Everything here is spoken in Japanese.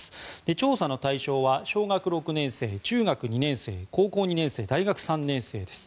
調査の対象は小学６年生、中学２年生高校２年生、大学３年生です。